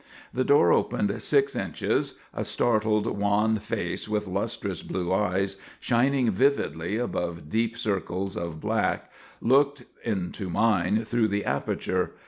The door opened six inches a startled, wan face with lustrous blue eyes, shining vividly above deep circles of black, looked into mine through the aperture.